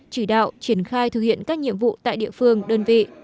chỉ đạo triển khai thực hiện các nhiệm vụ tại địa phương đơn vị